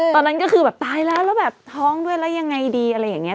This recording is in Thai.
ตอนนั้นก็คือแบบตายแล้วแล้วแบบท้องด้วยแล้วยังไงดีอะไรอย่างนี้